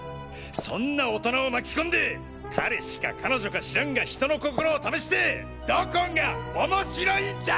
そんな大人を巻き込んで彼氏か彼女か知らんが人の心を試してどこが面白いんだ！！